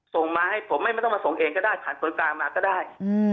ส่งมาให้ผมไม่ต้องมาส่งเองก็ได้ผ่านคนกลางมาก็ได้